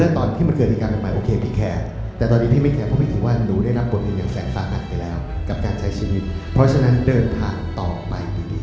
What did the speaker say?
แต่ว่าคำพูดเขาคือให้กำลังใจเราแล้วก็ให้โอกาสเราค่ะ